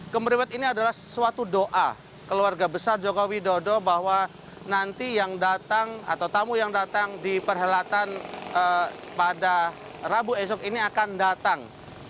kemeriwet ini adalah suatu doa keluarga besar jokowi dodo bahwa nanti yang datang atau tamu yang datang di perhelatan pada rabu esok ini akan datang